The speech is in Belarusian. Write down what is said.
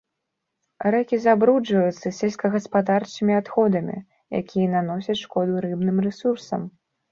Рэкі забруджваюцца сельскагаспадарчымі адходамі, якія наносяць шкоду рыбным рэсурсам.